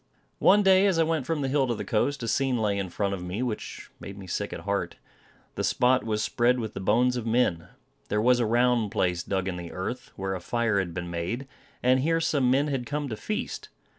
One day as I went from the hill to the coast, a scene lay in front of me which made me sick at heart. The spot was spread with the bones of men. There was a round place dug in the earth, where a fire had been made, and here some men had come to feast.